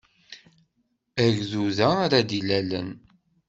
Agrud-a ara d-ilalen.